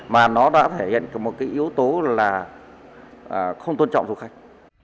mà nó đã thể hiện một yếu tố là không tôn trọng du khách